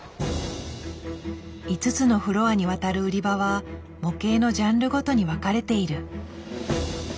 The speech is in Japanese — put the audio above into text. ５つのフロアにわたる売り場は模型のジャンルごとに分かれている。